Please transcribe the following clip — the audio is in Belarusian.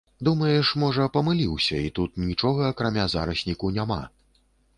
Думаеш, можа, памыліўся, і тут нічога акрамя зарасніку няма.